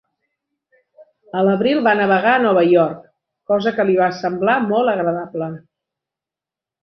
A l'abril va navegar a Nova York, cosa que li va semblar molt agradable.